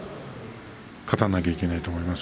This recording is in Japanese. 勝たなければいけないと思います。